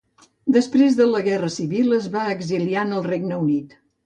Després de la guerra civil es va exiliar en el Regne Unit.